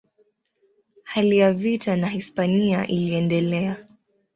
Hali ya vita na Hispania iliendelea.